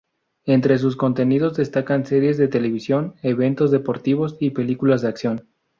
Entre sus contenidos destacan series de televisión, eventos deportivos y películas de acción.